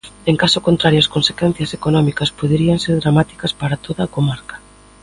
En caso contrario, as consecuencias económicas poderían ser dramáticas para toda a comarca.